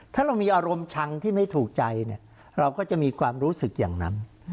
ถ้าเรามีอารมณ์ชังที่ไม่ถูกใจเนี่ยเราก็จะมีความรู้สึกอย่างนั้น